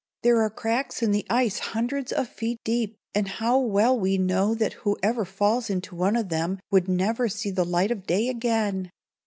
There are cracks in the ice hundreds of feet deep, and how well we know that whoever falls into one of them would never see the light of day again."